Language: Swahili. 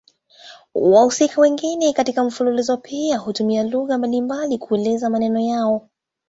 Wahusika wengine katika mfululizo pia hutumia lugha mbalimbali kuelezea maneno yao.